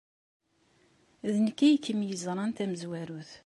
D nekk ay kem-yeẓran d tamezwarut.